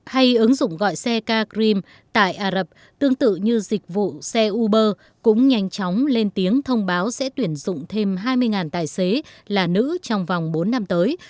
hay ứng dụng gọi xe cagrim tại ả rập tương tự như dịch vụ xe uber cũng nhanh chóng lên tiếng thông báo sẽ tuyển dụng thêm hai mươi tài xế là nữ trong vòng bốn năm tới